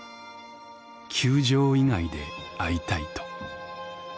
球場以外で会いたいと」。